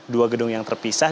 dua gedung yang terpisah